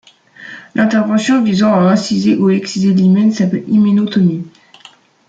L'intervention visant à inciser ou exciser l'hymen s'appelle hyménotomie.